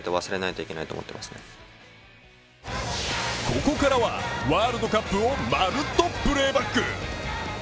ここからはワールドカップをまるっとプレーバック。